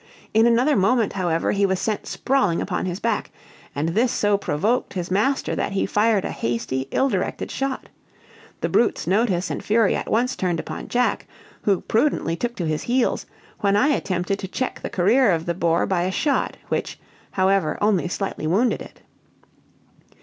In another moment, however, he was sent sprawling upon his back, and this so provoked his master that he fired a hasty ill directed shot. The brute's notice and fury at once turned upon Jack, who prudently took to his heels, when I attempted to check the career of the boar by a shot, which, however, only slightly wounded it.